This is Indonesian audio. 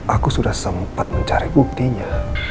aku sudah sempat mencari buktinya